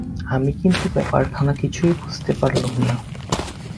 আমি কিন্তু ব্যাপারখানা কিছু বুঝতে পারলুম না।